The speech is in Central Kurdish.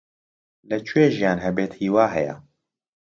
لەکوێ ژیان هەبێت، هیوا هەیە.